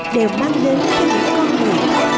đều mang lên cho những con người